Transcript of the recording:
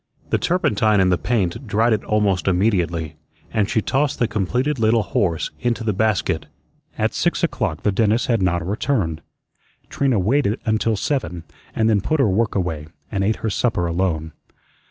The turpentine in the paint dried it almost immediately, and she tossed the completed little horse into the basket. At six o'clock the dentist had not returned. Trina waited until seven, and then put her work away, and ate her supper alone.